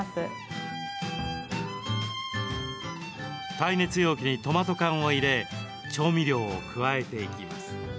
耐熱容器にトマト缶を入れ調味料を加えていきます。